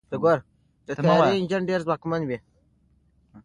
د طیارې انجن ډېر ځواکمن وي.